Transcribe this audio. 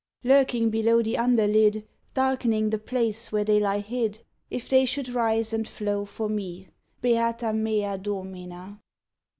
_ Lurking below the underlid, Darkening the place where they lie hid: If they should rise and flow for me! _Beata mea Domina!